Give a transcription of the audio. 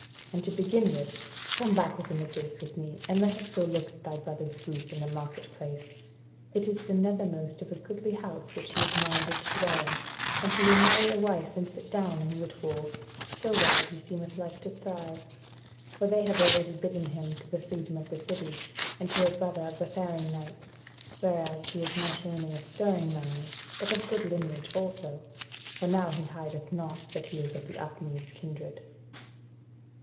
"And to begin with, come back within the gates with me and let us go look at thy brother's booth in the market place: it is the nethermost of a goodly house which he is minded to dwell in; and he will marry a wife and sit down in Whitwall, so well he seemeth like to thrive; for they have already bidden him to the freedom of the city, and to a brother of the Faring Knights, whereas he is not only a stirring man, but of good lineage also: for now he hideth not that he is of the Upmeads kindred."